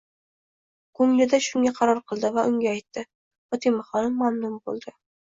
Kunglida shunga qaror qildi va unga aytdi, Fotimaxonim mamnun bo'ldi.